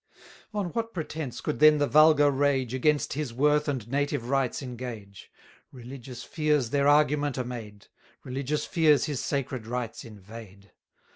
On what pretence could then the vulgar rage Against his worth and native rights engage? Religious fears their argument are made Religious fears his sacred rights invade!